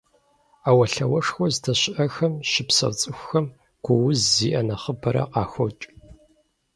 Ӏэуэлъауэшхуэ здэщыӀэхэм щыпсэу цӏыхухэм гу уз зиӀэ нэхъыбэрэ къахокӏ.